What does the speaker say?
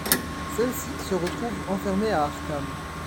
Celle-ci se retrouve enfermée à Arkham.